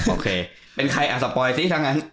โอเคเป็นใครอ่ะสปอยซิถ้างั้น